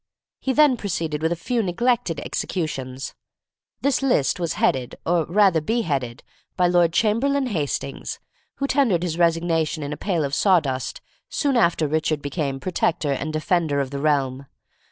He then proceeded with a few neglected executions. This list was headed or rather beheaded by Lord Chamberlain Hastings, who tendered his resignation in a pail of saw dust soon after Richard became "protector and defender of the realm."